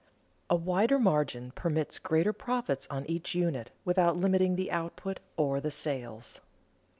A wider margin permits greater profits on each unit without limiting the output or the sales.